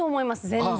全然。